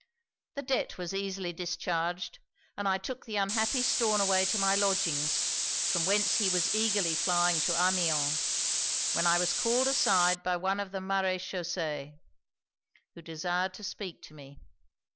The debt was easily discharged; and I took the unhappy Stornaway to my lodgings, from whence he was eagerly flying to Amiens, when I was called aside by one of the maréchaussé, who desired to speak to me.